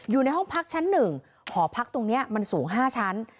อยู่ในห้องพักชั้น๑หอพักตรงนี้มันสูง๕ชั้น